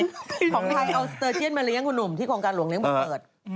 ของไทยเอาสเตอร์เจียนมาเลี้ยคุณหนุ่มที่โครงการหลวงเลี้ยบังเกิด